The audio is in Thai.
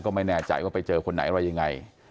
ไม่แน่ใจว่าไปเจอคนไหนอะไรยังไง